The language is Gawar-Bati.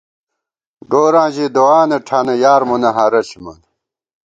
گوراں ژِی دُعانہ ٹھانہ، یار مونہ ہارہ ݪِمان